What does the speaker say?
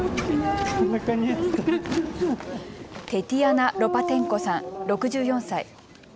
テティアナ・ロパテンコさん、６４歳。